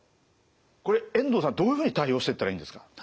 これ遠藤さんどういうふうに対応してったらいいんですか？